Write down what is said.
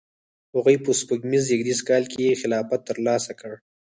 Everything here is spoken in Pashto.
هغوی په سپوږمیز زیږدیز کال کې خلافت ترلاسه کړ.